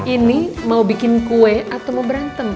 ini mau bikin kue atau mau berantem